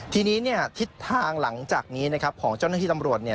ทีนี้ทิศทางหลังจากนี้ของเจ้าหน้าที่ตำรวจ